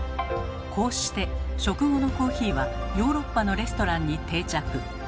こうして食後のコーヒーはヨーロッパのレストランに定着。